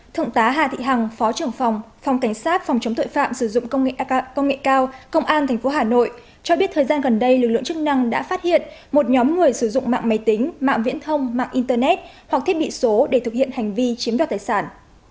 thượng tá hà thị hằng phó trưởng phòng phòng cảnh sát phòng chống tội phạm sử dụng công nghệ cao công an tp hà nội cho biết thời gian gần đây lực lượng chức năng đã phát hiện một nhóm người sử dụng mạng máy tính mạng viễn thông mạng internet hoặc thiết bị số để thực hiện hành vi chiếm đoạt tài sản